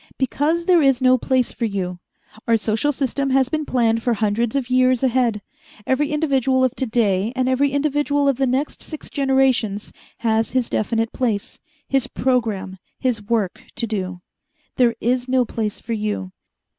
"Because there is no place for you. Our social system has been planned for hundreds of years ahead. Every individual of today and every individual of the next six generations has his definite place, his program, his work to do. There is no place for you.